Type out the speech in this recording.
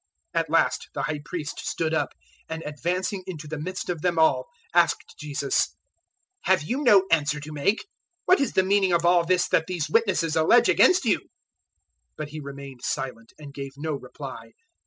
014:060 At last the High Priest stood up, and advancing into the midst of them all, asked Jesus, "Have you no answer to make? What is the meaning of all this that these witnesses allege against you?" 014:061 But He remained silent, and gave no reply.